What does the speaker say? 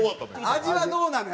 味はどうなのよ？